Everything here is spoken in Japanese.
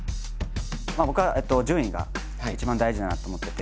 僕は順位が一番大事だなと思ってて。